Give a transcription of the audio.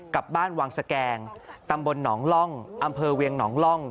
กับบ้านวังสแกงตำบลหนองล่องอำเภอเวียงหนองล่อง